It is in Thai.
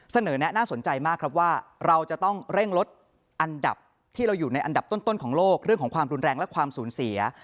แนะน่าสนใจมากครับว่าเราจะต้องเร่งลดอันดับที่เราอยู่ในอันดับต้นของโลกเรื่องของความรุนแรงและความสูญเสีย